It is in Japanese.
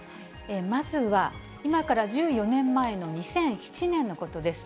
まずは、今から１４年前の２００７年のことです。